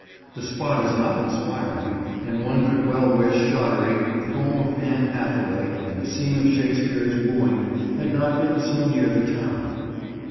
The spot is not inspiring, and one could well wish Shottery, the home of Anne Hathaway and the scene of Shakespeare's wooing, had not been so near the town.